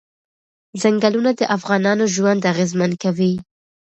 ځنګلونه د افغانانو ژوند اغېزمن کوي.